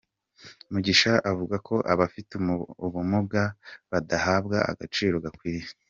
Mugisha avuga ko abafite ubumuga badahabwa agaciro gakwiye.